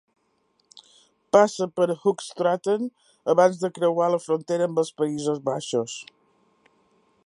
Passa per Hoogstraten abans de creuar la frontera amb els Països Baixos.